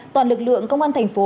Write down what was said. toàn lực lượng công an thành phố